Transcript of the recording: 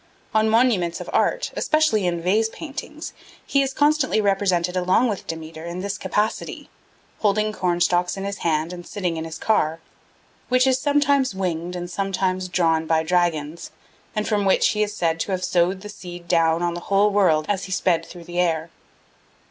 On monuments of art, especially in vase paintings, he is constantly represented along with Demeter in this capacity, holding corn stalks in his hand and sitting in his car, which is sometimes winged and sometimes drawn by dragons, and from which he is said to have sowed the seed down on the whole world as he sped through the air.